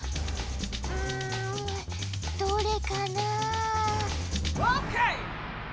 うん。どれかなあ？